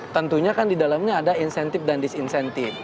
tentunya kan di dalamnya ada insentif dan disinsentif